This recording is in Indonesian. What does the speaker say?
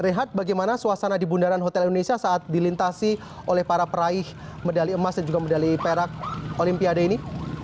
rehat bagaimana suasana di bundaran hotel indonesia saat dilintasi oleh para peraih medali emas dan juga medali perak olimpiade ini